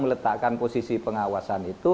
meletakkan posisi pengawasan itu